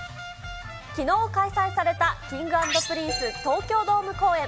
きのう開催されたＫｉｎｇ＆Ｐｒｉｎｃｅ東京ドーム公演。